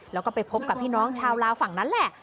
แล้วก็ไปพบกับพี่น้องชาวลาวฝั่งนั้นแหละ